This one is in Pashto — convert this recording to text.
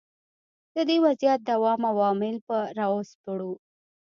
د دې وضعیت دوام او عوامل به را وسپړو.